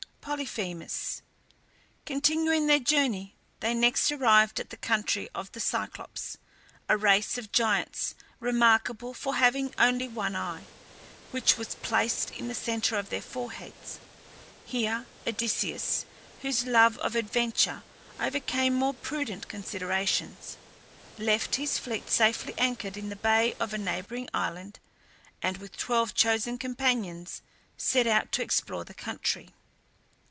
POLYPHEMUS. Continuing their journey, they next arrived at the country of the Cyclops, a race of giants remarkable for having only one eye, which was placed in the centre of their foreheads. Here Odysseus, whose love of adventure overcame more prudent considerations, left his fleet safely anchored in the bay of a neighbouring island, and with twelve chosen companions set out to explore the country.